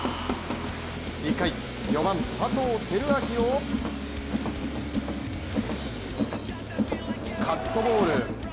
１回、４番・佐藤輝明をカットボール。